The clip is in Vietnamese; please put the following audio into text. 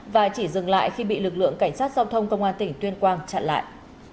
và chỉ dừng lại khi bị lực lượng cảnh sát giao thông công an tỉnh tuyên quang chặn lại